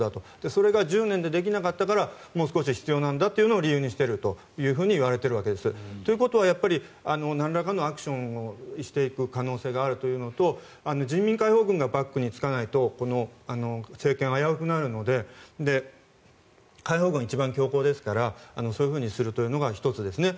それが１０年でできなかったからもう少し必要なんだというのを理由にしているというふうにいわれているわけです。ということはやっぱりなんらかのアクションをしてく可能性があるというのと人民解放軍がバックにつかないと政権、危うくなるので解放軍が一番強硬ですからそういうふうにするというのが１つですね。